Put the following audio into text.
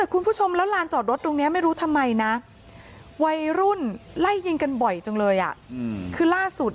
ก็ไม่รู้ทำไมนะวัยรุ่นไล่ยิงกันบ่อยจังเลยอ่ะอืมคือล่าสุด